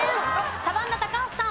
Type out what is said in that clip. サバンナ高橋さん。